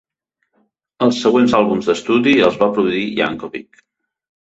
Els següents àlbums d'estudi els va produir Yankovic.